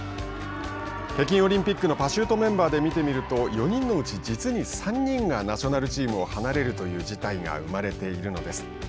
北京オリンピックのパシュートメンバーで見てみると４人のうち実に３人がナショナルチームを離れるという事態が生まれているのです。